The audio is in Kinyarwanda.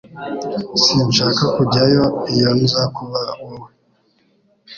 Sinshaka kujyayo iyo nza kuba wowe